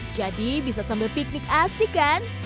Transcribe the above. jadi bisa sambil piknik asik kan